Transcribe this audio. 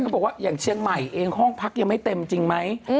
บอกว่าอย่างเชียงใหม่เองห้องพักยังไม่เต็มจริงไหม